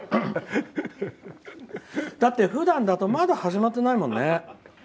だってふだんだとまだ始まってないもんね。